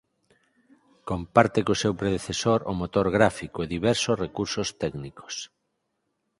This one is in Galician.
Comparte co seu predecesor o motor gráfico e diversos recursos técnicos.